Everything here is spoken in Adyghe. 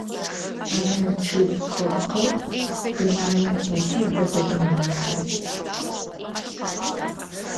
Анай чъыг лъэпкъэу дунаим тетыр бэ дэдэ мэхъу.